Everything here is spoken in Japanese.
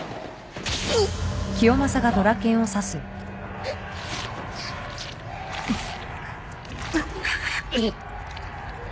うっくっ。